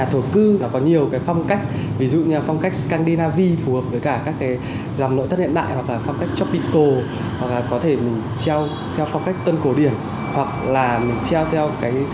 theo phong cách tân cổ điển hoặc là mình treo theo cái